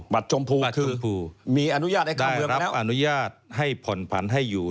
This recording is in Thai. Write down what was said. บัตรชมพูคือได้รับอนุญาตให้ผ่อนผันให้อยู่